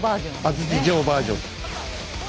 安土城バージョン。